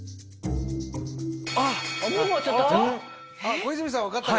小泉さん分かったかな？